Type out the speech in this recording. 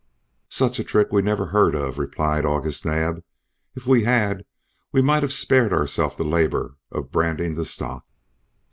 "Such a trick we never heard of," replied August Naab. "If we had we might have spared ourselves the labor of branding the stock."